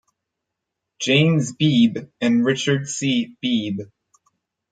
James Beebe and Richard C. Beebe.